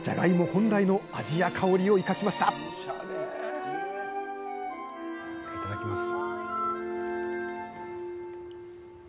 本来の味や香りを生かしましたいただきます。